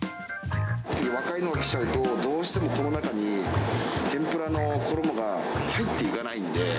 若いの来ちゃうと、どうしてもこの中に、天ぷらの衣が入っていかないんで。